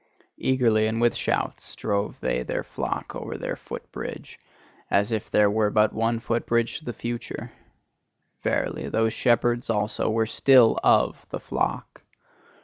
Eagerly and with shouts drove they their flock over their foot bridge; as if there were but one foot bridge to the future! Verily, those shepherds also were still of the flock!